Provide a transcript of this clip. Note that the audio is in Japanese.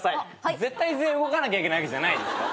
絶対全員動かなきゃいけないわけじゃないですよ。